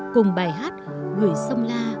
cùng bài hát gửi sông la